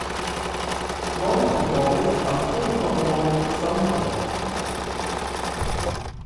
Non-conformists are still conforming to something.